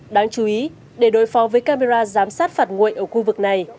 đáng chú ý để đối phó với camera giám sát phạt nguội ở khu vực này